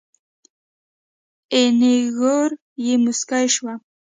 اينږور يې موسکۍ شوه.